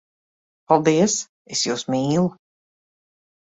Paldies! Es jūs mīlu!